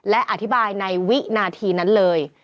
และอธิบายในวินาทีนั้นเลย